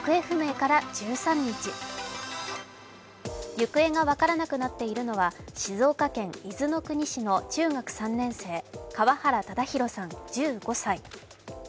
行方が分からなくなっているのは静岡県伊豆の国市の中学３年生川原唯滉さん、１５歳。